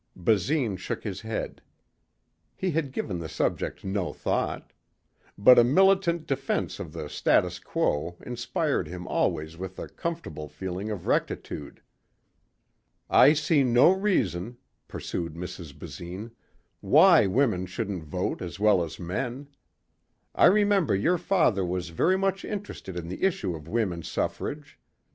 Basine shook his head. He had given the subject no thought. But a militant defense of the status quo inspired him always with a comfortable feeling of rectitude. "I see no reason," pursued Mrs. Basine, "why women shouldn't vote as well as men. I remember your father was very much interested in the issue of women's suffrage.